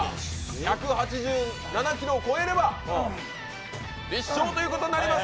１８７ｋｇを超えれば立証ということになります。